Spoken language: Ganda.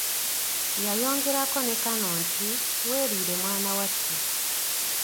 Yayongerako ne kano nti, weeriire mwana wattu!